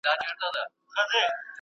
څو شېبو هوښیاری سره ساه ورکړي.